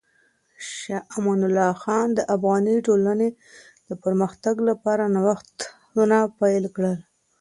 شاه امان الله خان د افغاني ټولنې د پرمختګ لپاره نوښتونه پیل کړل.